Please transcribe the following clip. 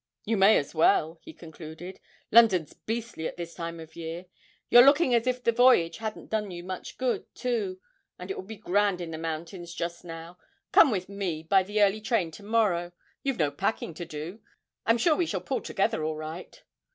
'You may as well,' he concluded, 'London's beastly at this time of year. You're looking as if the voyage hadn't done you much good, too, and it will be grand on the mountains just now; come with me by the early train to morrow, you've no packing to do. I'm sure we shall pull together all right.'